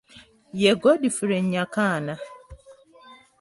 Ye Godfrey Nyakana.